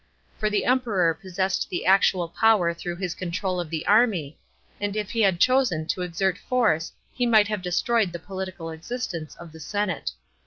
For the Emperor possessed the actual power through his control of the army, and ii he had chosen to exert force he might have destroyed the political existence of the senate.